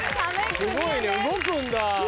すごいね動くんだ。